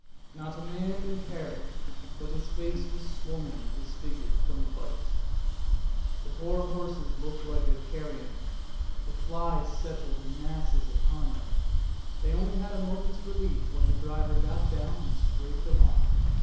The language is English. Not a man in the carriage but his face was swollen and disfigured from the bites. The poor horses looked like carrion, the flies settled in masses upon them; they only had a moment's relief, when the driver got down and scraped them off.